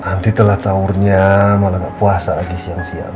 nanti telat saurnya malah gak puasa lagi siang siang